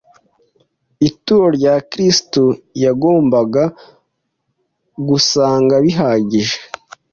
Ituro rya Kristo iyagombaga gusaga bihagije